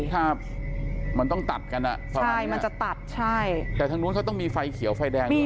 ถ้ามันต้องตัดกันอ่ะไฟใช่มันจะตัดใช่แต่ทางนู้นเขาต้องมีไฟเขียวไฟแดงอยู่